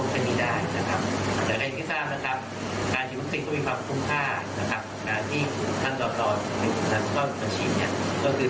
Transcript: การศิลป์ซีนเราจะคงเป็นมีได้นะครับ